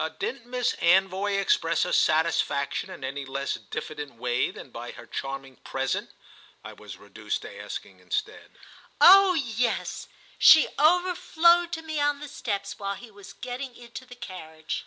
"Didn't Miss Anvoy express her satisfaction in any less diffident way than by her charming present?" I was reduced to asking instead. "Oh yes, she overflowed to me on the steps while he was getting into the carriage."